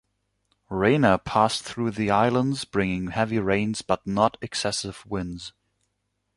Rena passed through the islands bringing heavy rains but not excessive winds.